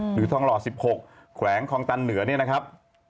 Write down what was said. หรือทองหล่อ๑๖แขวงคลองตันเหนือเนี่ยนะครับ